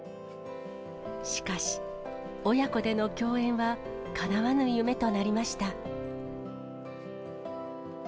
しかし、親子での共演は、かなわぬ夢となりました。